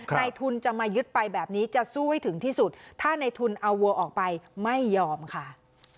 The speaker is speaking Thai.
นายทุนจะมายึดไปแบบนี้จะสู้ให้ถึงที่สุดถ้าในทุนเอาวัวออกไปไม่ยอมค่ะ